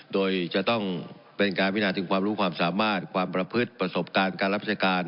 โดยจะต้องเป็นการพินาถึงความรู้ความสามารถความประพฤติประสบการณ์การรับราชการ